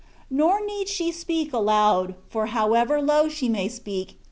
Nor need she speak aloud, for however low she may speak.